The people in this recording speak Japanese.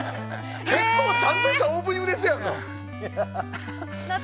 結構ちゃんとしたオープニングでしたよ。